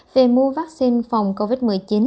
về mua vaccine phòng covid một mươi chín